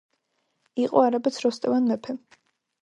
იყო არაბეთს როსტევან მეფე